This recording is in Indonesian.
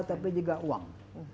tapi juga uang